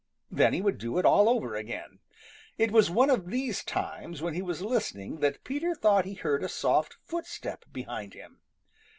Then he would do it all over again. It was one of these times when he was listening that Peter thought he heard a soft footstep behind him.